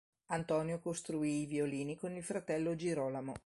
Antonio costruì i violini con il fratello Girolamo.